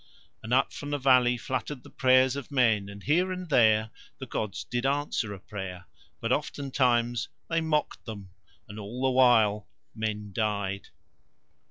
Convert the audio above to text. And up from the valley fluttered the prayers of men and here and there the gods did answer a prayer, but oftentimes They mocked them, and all the while men died.